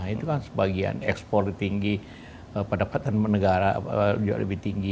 itu kan sebagian ekspor tinggi pendapatan negara juga lebih tinggi